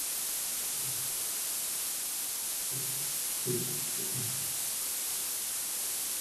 They are relatively straightforward in appearance with limited width variation.